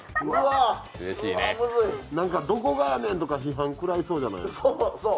どこがやねんとか批判食らいそうじゃないですか。